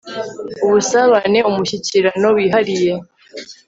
ubusabane umushyikirano wihariye